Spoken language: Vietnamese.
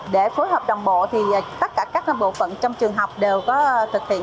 để phối hợp đồng bộ thì tất cả các bộ phận trong trường học đều có thực hiện